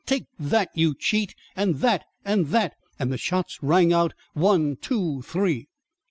"Take that, you cheat! And that! And that!" And the shots rang out one, two, three!